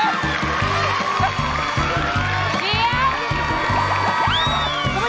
และตอนนี้เราก็สูญเสียข้าทุกคนไปแล้วนะคะ